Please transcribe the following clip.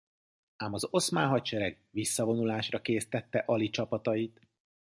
Ám az oszmán hadsereg visszavonulásra késztette Ali csapatait.